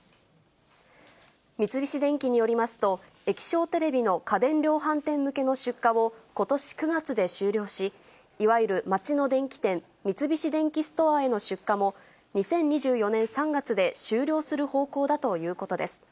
三菱電機によりますと、液晶テレビの家電量販店向けの出荷をことし９月で終了し、いわゆる街の電器店、三菱電機ストアへの出荷も、２０２４年３月で終了する方向だということです。